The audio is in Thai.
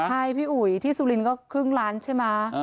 ใช่พี่อุ๋ยที่สุรินทร์ก็ครึ่งล้านใช่ไหม